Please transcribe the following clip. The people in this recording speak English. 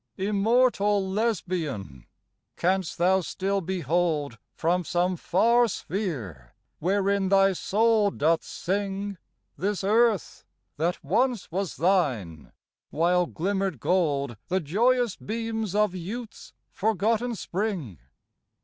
Immortal Lesbian! canst thou still behold From some far sphere wherein thy soul doth sing This earth, that once was thine, while glimmered gold The joyous beams of youth's forgotten spring?